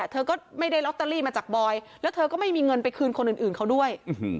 เธอก็ไม่ได้ลอตเตอรี่มาจากบอยแล้วเธอก็ไม่มีเงินไปคืนคนอื่นเขาด้วย